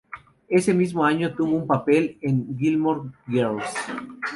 Ese mismo año, tuvo un papel en "Gilmore Girls".